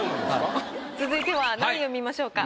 続いては何位を見ましょうか？